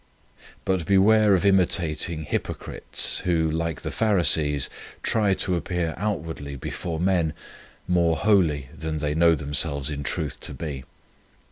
But beware of imitating hypo crites who, like the Pharisees, try to appear outwardly before men more holy than they know them selves in truth to be.